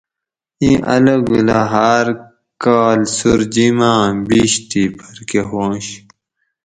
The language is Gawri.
اِیں الو گلہ ہاۤر کال سوُر جیم آۤں بیش تھی پھرکہۤ ہواںش